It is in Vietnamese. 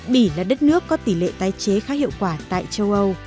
bỉ là đất nước có tỷ lệ tái chế khá hiệu quả tại châu âu